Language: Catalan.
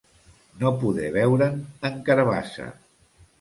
No poder beure'n en carabassa.